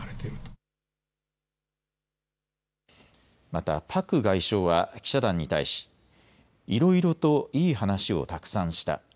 またパク外相は記者団に対し、いろいろといい話をたくさんした。